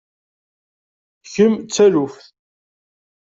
Kemm d taluft.